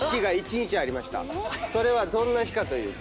それはどんな日かというと。